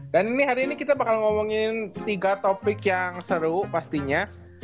dan ini hari ini kita bakal ngomongin tiga topik yang seru pastinya